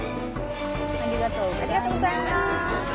ありがとうございます。